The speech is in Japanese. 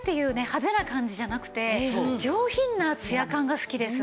派手な感じじゃなくて上品なツヤ感が好きです。